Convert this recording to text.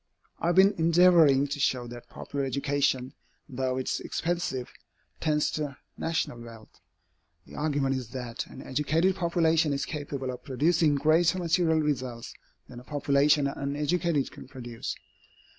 I have been endeavoring to show that popular education, though it is expensive, tends to national wealth. The argument is that an educated population is capable of producing greater material results than a population uneducated can produce.